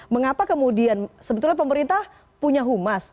mengapa kemudian sebetulnya pemerintah punya humas